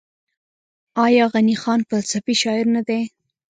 آیا غني خان فلسفي شاعر نه دی؟